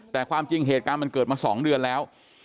แต่ความจริงเหตุการณ์มันเกิดมา๒เดือนแล้ว